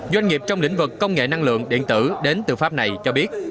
doanh nghiệp trong lĩnh vực công nghệ năng lượng điện tử đến từ pháp này cho biết